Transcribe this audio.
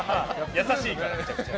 優しいから、めちゃくちゃ。